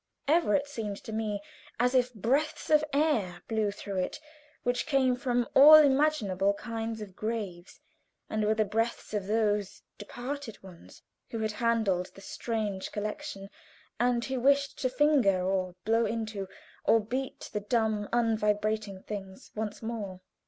Ever it seemed to me as if breaths of air blew through it, which came from all imaginable kinds of graves, and were the breaths of those departed ones who had handled the strange collection, and who wished to finger, or blow into, or beat the dumb, unvibrating things once more.